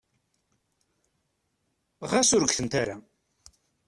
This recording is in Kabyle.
Ɣas ur gtent ara.